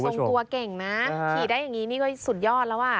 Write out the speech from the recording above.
ทรงตัวเก่งนะขี่ได้อย่างนี้นี่ก็สุดยอดแล้วอ่ะ